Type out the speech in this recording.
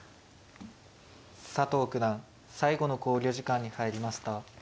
佐藤九段最後の考慮時間に入りました。